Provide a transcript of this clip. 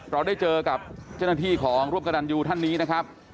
เราได้เจอกับเจ้าหน้าที่ของร่วมกระตันยูท่านนี้นะครับ